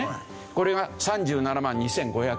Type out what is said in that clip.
これが３７万２５００円。